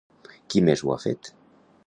Qui més ho ha fet?